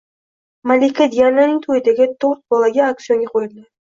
Malika Diananing to‘yidagi tort bo‘lagi auksionga qo‘yildi